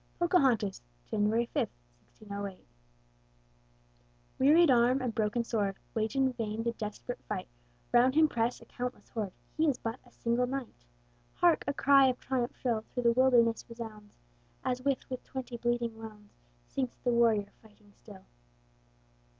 POCAHONTAS [January 5, 1608] Wearied arm and broken sword Wage in vain the desperate fight; Round him press a countless horde, He is but a single knight. Hark! a cry of triumph shrill Through the wilderness resounds, As, with twenty bleeding wounds, Sinks the warrior, fighting still.